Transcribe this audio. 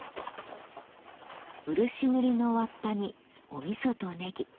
漆塗りのわっぱにおみそとネギ。